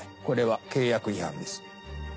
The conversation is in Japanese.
これは契約違反です。